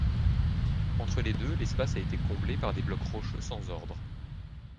Entre les deux, l'espace a été comblé par des blocs rocheux sans ordre.